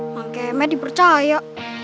pake med dipercaya